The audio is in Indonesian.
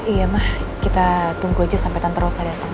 iya mah kita tunggu aja sampai tante rossa datang ya